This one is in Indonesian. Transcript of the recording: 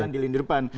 di lini depan